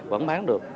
vẫn bán được